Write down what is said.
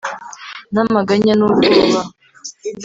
Namaganya nubwoba